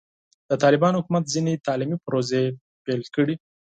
د طالبانو حکومت ځینې تعلیمي پروژې پیل کړي.